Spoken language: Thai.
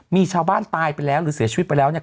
มีชาวบ้านตายไปแล้วหรือเสียชีวิตไปแล้วเนี่ย